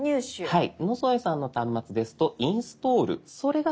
はい。